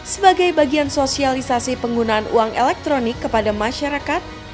sebagai bagian sosialisasi penggunaan uang elektronik kepada masyarakat